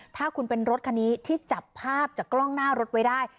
ถ้าคุณเป็นรถคันนี้ที่จับภาพจากกล้องหน้ารถไว้ได้